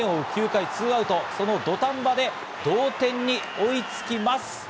９回２アウト、その土壇場で同点に追いつきます。